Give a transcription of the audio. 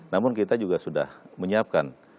namun kita juga sudah menyiapkan